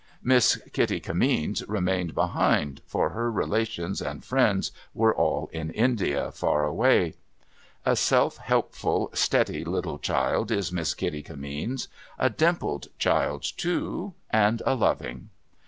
Miss Kitty Kimmeens remained behind, for her relations and friends were all in India, far away. A self helpful, steady little child is Miss Kitty Kimmeens : a dimpled child too, and a loving.